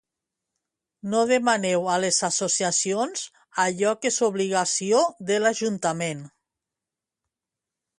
No demaneu a les Associacions allò que és obligació de l'Ajuntament.